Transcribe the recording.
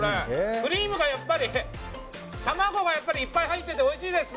クリームがやっぱり卵がいっぱい入ってておいしいです。